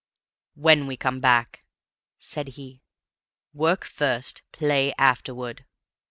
"When we come back," said he. "Work first, play afterward.